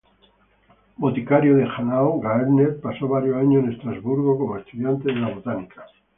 Boticario de Hanau, Gaertner pasó varios años en Estrasburgo como estudiante de la botánica.